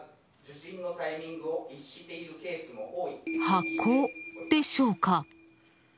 箱でしょうか？